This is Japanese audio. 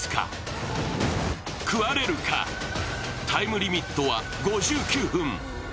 タイムリミットは５９分。